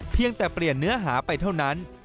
เพียงแต่เปลี่ยนเนื้อหาไปเท่านั้น